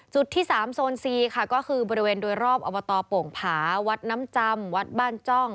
ที่๓โซนซีค่ะก็คือบริเวณโดยรอบอบตโป่งผาวัดน้ำจำวัดบ้านจ้อง